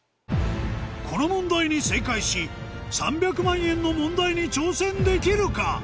この問題に正解し３００万円の問題に挑戦できるか？